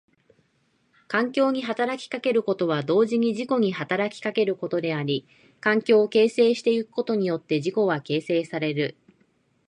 環境に働きかけることは同時に自己に働きかけることであり、環境を形成してゆくことによって自己は形成される。